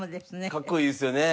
かっこいいですよね。